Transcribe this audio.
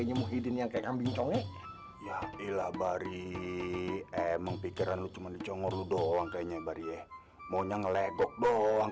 ya iya bari emang pikiran lu cuman dicongor doang kayaknya bari ya maunya ngelegok doang